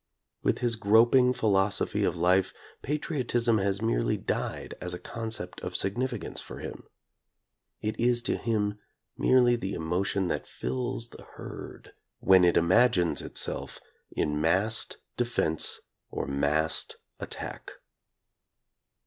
With his groping philosophy of life, patriotism has merely died as a concept of significance for him. It is to him merely the emo tion that fills the herd when it imagines itself en gaged in massed defense or massed attack.